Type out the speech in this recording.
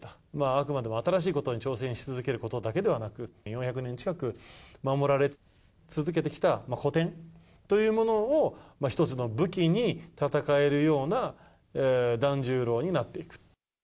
あくまでも新しいことに挑戦し続けることだけではなく、４００年近く守られ続けてきた古典というものを一つの武器に戦えるような團十郎になっていく。